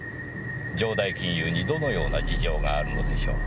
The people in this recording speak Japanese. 城代金融にどのような事情があるのでしょう？